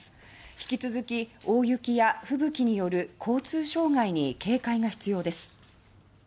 引き続き、大雪やふぶきによる交通障害に警戒が必要です。